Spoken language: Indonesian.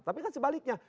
tapi kan sebaliknya